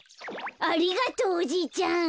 ありがとうおじいちゃん。